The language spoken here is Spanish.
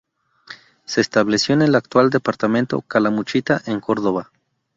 Se estableció en el actual departamento Calamuchita, en Córdoba.